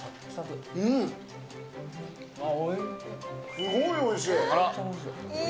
すごいおいしい。